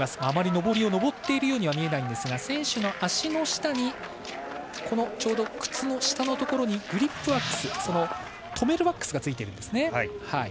あまり上りを上っているようには見えないんですが選手の足の下にちょうど靴の下のところにグリップワックス止めるワックスがついているんですね。